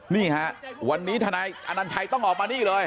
นี่ฮะวันนี้ทนายอนัญชัยต้องออกมานี่เลย